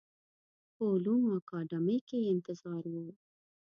په علومو اکاډمۍ کې یې انتظار و.